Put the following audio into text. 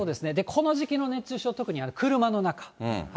この時期の熱中症、特に車の中。